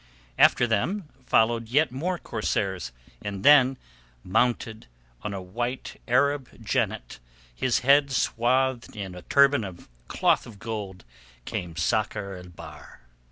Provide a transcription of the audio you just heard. After them followed yet more corsairs, and then mounted, on a white Arab jennet, his head swathed in a turban of cloth of gold, came Sakr el Bahr.